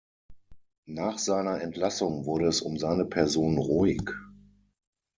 Nach seiner Entlassung wurde es um seine Person ruhig.